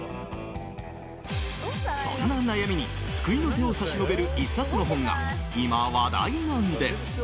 そんな悩みに救いの手を差し伸べる１冊の本が今、話題なんです。